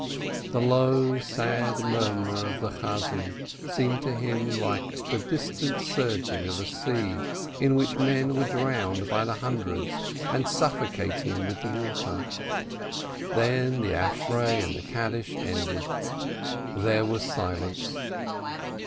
The low, sad murmur of the Cantor seemed to him like the distant surging of a sea, in which men were drowned by the hundreds and suffocating with the water. Then, the Ashre and the Kaddish ended, there was silence.